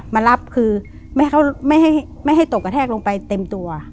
มารับคือไม่ให้ตกกระแทกลงไปเต็มตัว